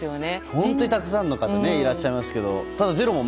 本当にたくさんの方いらっしゃいますけど。